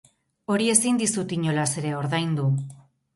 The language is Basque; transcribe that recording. Hori ezin dizut inolaz ere ordaindu.